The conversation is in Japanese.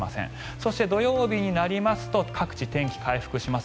そして、土曜日になりますと各地、天気が回復します。